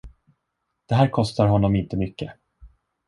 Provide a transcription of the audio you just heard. Det här kostar honom inte mycket.